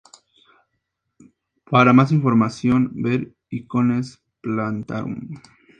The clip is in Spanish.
Para más información ver Icones Plantarum.